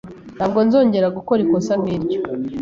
Ntabwo nzongera gukora ikosa nk'iryo.